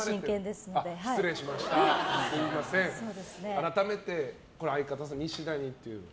改めて相方さん、ニシダにという。